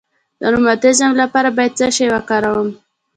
د روماتیزم لپاره باید څه شی وکاروم؟